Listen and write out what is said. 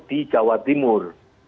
di jawa timur